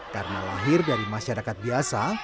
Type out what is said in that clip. karena lahir dari masyarakat biasa